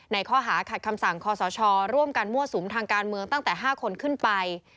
ข้อหาขัดคำสั่งคอสชร่วมกันมั่วสุมทางการเมืองตั้งแต่๕คนขึ้นไป